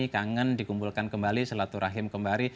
kangen dikumpulkan kembali selatu rahim kembali